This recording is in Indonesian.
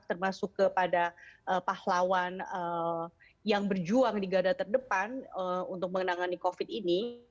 termasuk kepada pahlawan yang berjuang di gada terdepan untuk menangani covid ini